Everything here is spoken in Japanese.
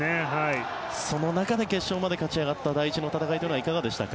その中で決勝まで勝ち上がった第一の戦いというのはいかがでしたか？